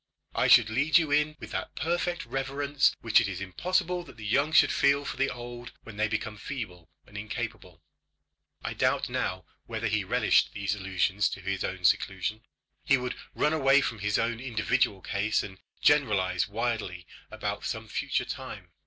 I should lead you in with that perfect reverence which it is impossible that the young should feel for the old when they become feeble and incapable." I doubt now whether he relished these allusions to his own seclusion. He would run away from his own individual case, and generalise widely about some future time.